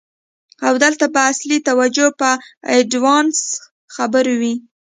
او دلته به اصلی توجه په آډوانس خبرو وی.